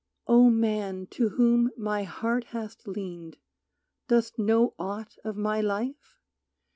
O Man to whom my heart hast leaned, dost know Aught of my life?